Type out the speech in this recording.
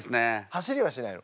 走りはしないの？